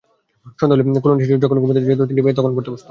সন্ধ্যা হলে কলোনির শিশুরা যখন ঘুমাতে যেত, তিনটি মেয়ে তখন পড়তে বসত।